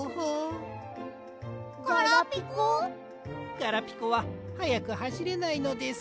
ガラピコははやくはしれないのです。